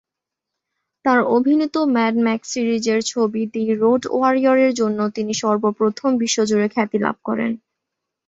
তার অভিনীত Mad Max সিরিজের ছবি "দি রোড ওয়ারিয়র"-এর জন্য তিনি সর্বপ্রথম বিশ্বজুড়ে খ্যাতি লাভ করেন।